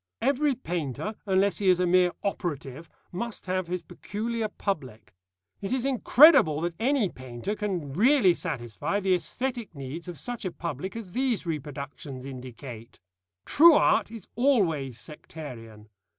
Every painter, unless he is a mere operative, must have his peculiar public. It is incredible that any painter can really satisfy the æsthetic needs of such a public as these reproductions indicate. True art is always sectarian.